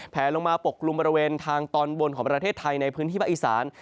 แผลลงมาปกกลุ่มบริเวณทางตอนบนของประเทศไทยในพื้นที่ภาคอีสาน